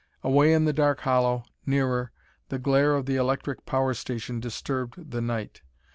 Away in the dark hollow, nearer, the glare of the electric power station disturbed the night.